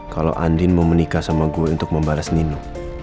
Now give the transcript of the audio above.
kalau andin mau menikah sama gue untuk membaras nino